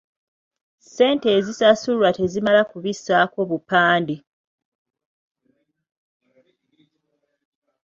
Ssente ezisasulwa tezimala ku kubisaako bupande .